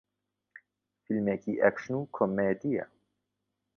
فیلمێکی ئەکشن و کۆمێدییە